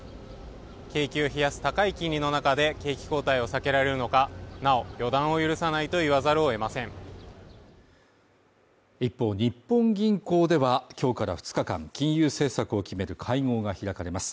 景気を冷やす高い金利の中で景気後退を避けられるのかなお予断を許さないと言わざるを得ません一方、日本銀行では今日から２日間金融政策を決める会合が開かれます